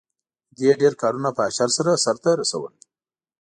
دې ډېر کارونه په اشر سره سرته رسول.